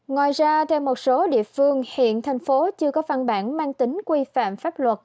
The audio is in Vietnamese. ngoài ra theo một số địa phương hiện thành phố chưa có văn bản mang tính quy phạm pháp luật